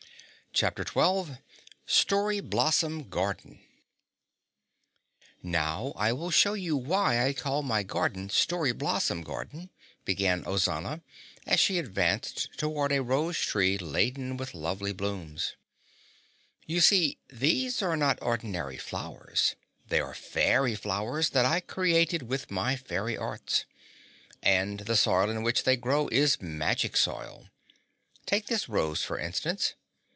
Chapter 12 Story Blossom Garden "Now I will show you why I call my garden Story Blossom Garden," began Ozana as she advanced toward a rose tree laden with lovely blooms. "You see, these are not ordinary flowers. They are fairy flowers that I created with my fairy arts. And the soil in which they grow is magic soil. Take this rose, for instance."